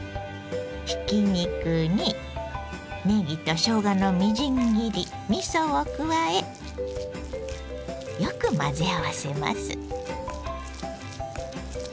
ひき肉にねぎとしょうがのみじん切りみそを加えよく混ぜ合わせます。